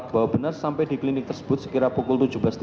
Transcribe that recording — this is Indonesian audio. bahwa benar sampai di klinik tersebut sekira pukul tujuh belas tiga puluh